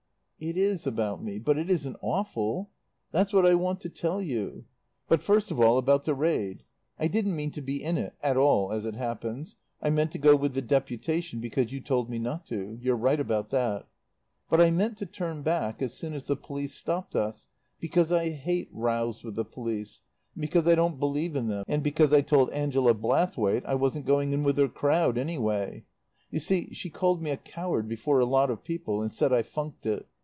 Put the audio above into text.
"It is about me, but it isn't awful. "That's what I want to tell you. "But, first of all about the raid. I didn't mean to be in it at all, as it happens. I meant to go with the deputation because you told me not to. You're right about that. But I meant to turn back as soon as the police stopped us, because I hate rows with the police, and because I don't believe in them, and because I told Angela Blathwaite I wasn't going in with her crowd any way. You see, she called me a coward before a lot of people and said I funked it.